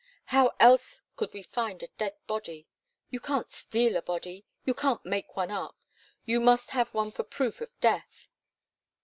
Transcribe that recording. How else could we find a dead body? You can't steal a body; you can't make one up. You must have one for proof of death.